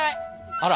あら。